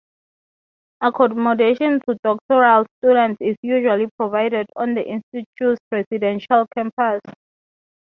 Accommodation to doctoral students is usually provided on the Institute's residential campus.